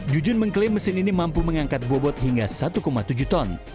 jujun mengklaim mesin ini mampu mengangkat bobot hingga satu tujuh ton